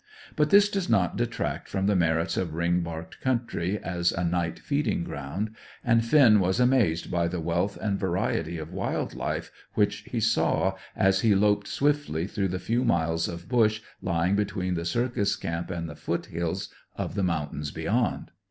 But this does not detract from the merits of ring barked country as a night feeding ground; and Finn was amazed by the wealth and variety of wild life which he saw as he loped swiftly through the few miles of bush lying between the circus camp and the foothills of the mountains beyond.